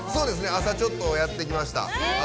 朝ちょっとやってきました。